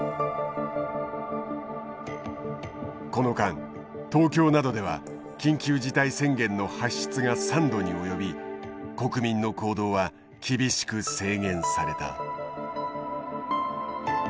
この間東京などでは緊急事態宣言の発出が３度に及び国民の行動は厳しく制限された。